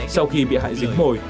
sau khi bị hại dính hồi